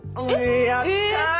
やった！